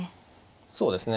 そうですね。